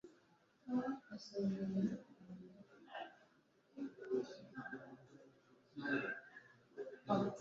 pawulo arahari se